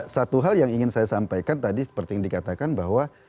satu hal yang ingin saya sampaikan tadi seperti yang dikatakan bahwa